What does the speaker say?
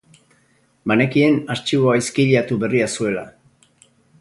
Banekien artxiboa izkiriatu berria zuela.